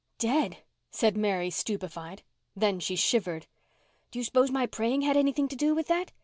"Dead!" said Mary stupefied. Then she shivered. "Do you s'pose my praying had anything to do with that?"